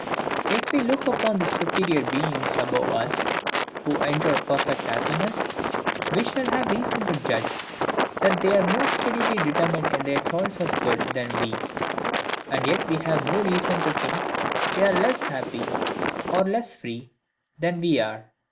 If we look upon those superior beings above us, who enjoy perfect happiness, we shall have reason to judge that they are more steadily determined in their choice of good than we; and yet we have no reason to think they are less happy, or less free, than we are.